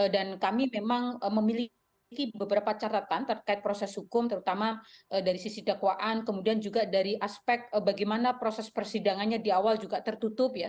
dan kami memang memiliki beberapa catatan terkait proses hukum terutama dari sisi dakwaan kemudian juga dari aspek bagaimana proses persidangannya di awal juga tertutup ya